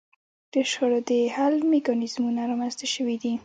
د شخړو د حل میکانیزمونه رامنځته شوي دي